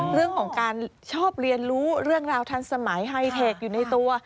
เรื่องของการชอบเรียนรู้เรื่องราวทันสมัยไฮเทคอยู่ในตัว